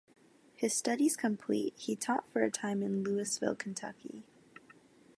His studies complete, he taught for a time in Louisville, Kentucky.